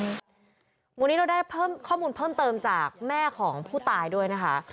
วันนี้เราได้เพิ่มข้อมูลเพิ่มเติมจากแม่ของผู้ตายด้วยนะคะ